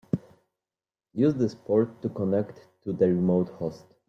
Use this port to connect to on the remote host.